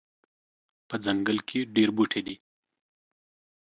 په ځنګل کې ډیر بوټي دي